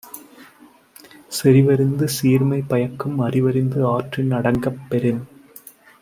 செறிவறிந்து சீர்மை பயக்கும் அறிவறிந்து ஆற்றின் அடங்கப் பெறின்